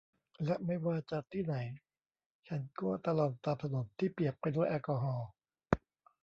และไม่ว่าจะที่ไหนฉันก็ตะลอนตามถนนที่เปียกไปด้วยแอลกอฮอล์